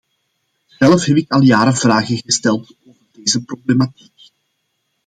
Zelf heb ik al jaren vragen gesteld over deze problematiek.